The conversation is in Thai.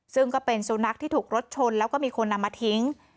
ซึ่งก็เป็นสุนัขที่ถูกรถชนแล้วก็มีคนนำมาทิ้ง